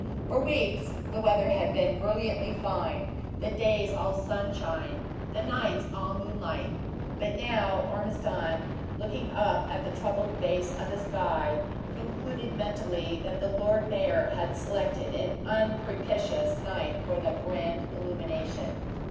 For weeks, the weather had been brilliantly fine the days all sunshine, the nights all moonlight; but now Ormiston, looking up at the troubled face of the sky, concluded mentally that the Lord Mayor had selected an unpropitious night for the grand illumination.